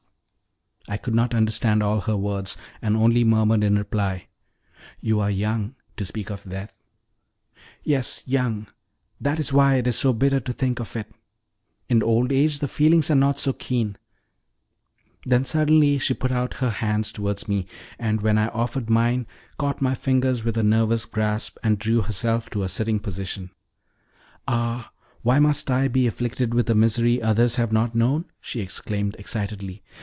I could not understand all her words, and only murmured in reply: "You are young to speak of death." "Yes, young; that is why it is so bitter to think of. In old age the feelings are not so keen." Then suddenly she put out her hands towards me, and, when I offered mine, caught my fingers with a nervous grasp and drew herself to a sitting position. "Ah, why must I be afflicted with a misery others have not known!" she exclaimed excitedly.